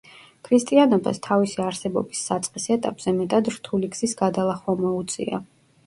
ქრისტიანობას თავისი არსებობის საწყის ეტაპზე მეტად რთული გზის გადალახვა მოუწია.